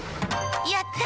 やった！